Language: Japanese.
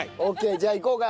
じゃあいこうか。